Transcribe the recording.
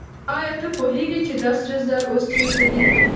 آیا ته پوهېږې چې دا سره زر اوس چېرته دي؟